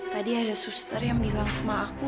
tadi ada suster yang bilang sama aku